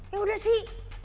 ya udah sih